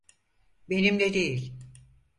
Benimle değil.